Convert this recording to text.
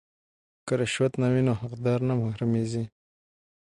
که رشوت نه وي نو حقدار نه محرومیږي.